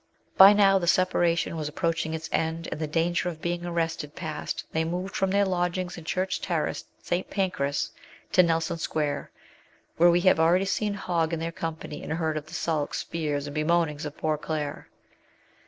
But now the separation was approaching its end, and the danger of being arrested past, they move from their lodgings in Church Terrace, St. Pancras, to 84 MRS. SHELLEY. Nelson Square, where we have already seen Hogg in their company and heard of the sulks, fears, and bemoanings of poor Claire.